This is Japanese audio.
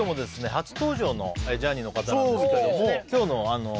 初登場のジャーニーの方なんですけどもそうみたいですね